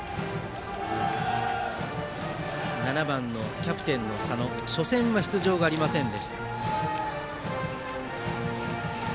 ７番、キャプテンの佐野初戦は出場がありませんでした。